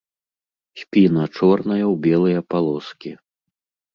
Спіна чорная ў белыя палоскі.